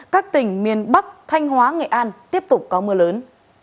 các tỉnh miền bắc thanh hóa nghệ an tiếp tục có mưa lớn